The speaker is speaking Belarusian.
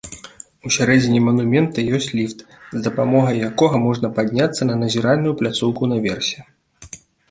Усярэдзіне манумента ёсць ліфт, з дапамогай якога можна падняцца на назіральную пляцоўку наверсе.